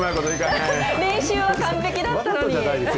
練習は完璧だったのに。